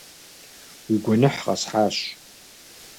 - Уи гуэныхь къэсхьащ.